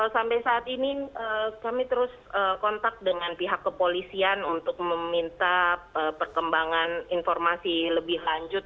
sampai saat ini kami terus kontak dengan pihak kepolisian untuk meminta perkembangan informasi lebih lanjut